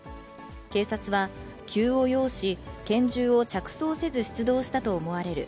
警察は、急を要し、拳銃を着装せず出動したと思われる。